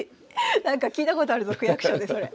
なんか聞いたことあるぞ区役所でそれ。